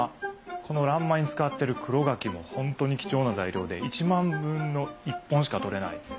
この欄間に使ってる黒柿も本当に貴重な材料で一万分の一本しかとれないんです。